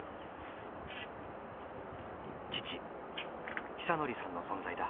父久典さんの存在だ。